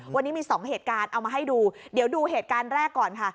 วันนี้มีสองเหตุการณ์เอามาให้ดูเดี๋ยวดูเหตุการณ์แรกก่อนค่ะ